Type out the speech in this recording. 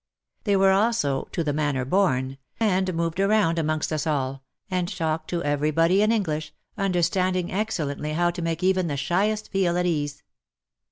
They were also to the manner born," and moved around amongst us all, and talked to everybody in English, understanding excellently how to make even the shyest feel at ease.